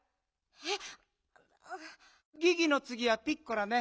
えっ？